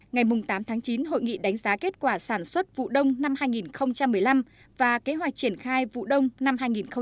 ngày tám tháng chín hội nghị đánh giá kết quả sản xuất vụ đông năm hai nghìn một mươi năm và kế hoạch triển khai vụ đông năm hai nghìn một mươi chín